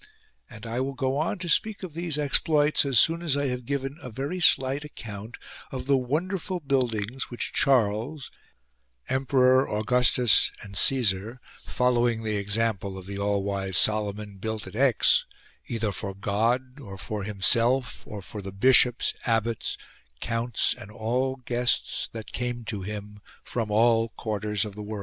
And I will go on to speak of these exploits as soon as I have given a very slight account of the wonderful buildings which Charles (Emperor, Augustus and Caesar), following the example of the all wise Solomon, built at Aix, either for God, or for himself, or for the bishops, abbots, counts and all guests that came to him from all quarters of the world.